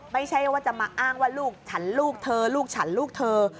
ไม่ใช่ว่าจะมาอ้างว่าลูกฉันลูกเธอลูกฉันลูกเธอ